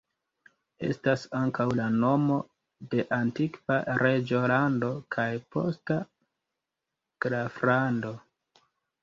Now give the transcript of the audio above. Estas ankaŭ la nomo de antikva reĝolando kaj posta graflando.